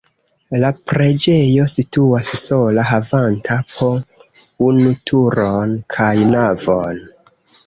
La preĝejo situas sola havanta po unu turon kaj navon.